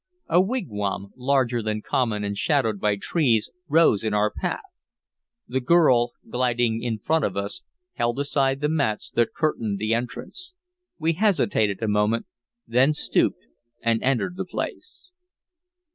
A wigwam, larger than common and shadowed by trees, rose in our path; the girl, gliding in front of us, held aside the mats that curtained the entrance. We hesitated a moment, then stooped and entered the place.